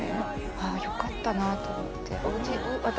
ああよかったなぁと思って。